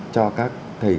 cho các thầy cô